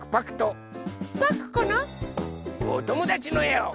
おともだちのえを。